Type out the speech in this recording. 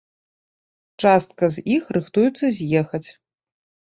Частка з іх рыхтуюцца з'ехаць.